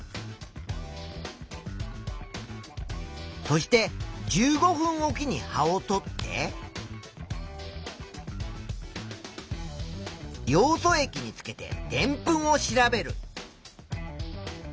そして１５分おきに葉をとってヨウ素液につけてでんぷんを調べる。